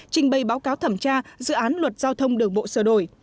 trình bày báo cáo thẩm tra dự án luật giao thông đường bộ sửa đổi